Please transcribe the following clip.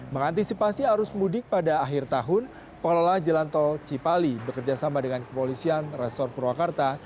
mengantisipasi arus mudik pada akhir tahun pengelola jalan tol cipali bekerjasama dengan kepolisian resor purwakarta